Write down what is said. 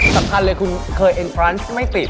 สำคัญเลยคุณเคยเอ็นฟรานซ์ไม่ติด